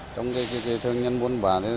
trong cái thương nhân buôn bản